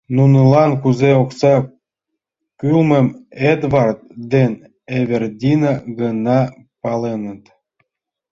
Нунылан кузе окса кӱлмым Эдвард ден Эвердина гына паленыт.